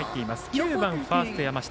９番ファースト、山下。